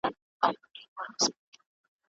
پاک توکي وکاروه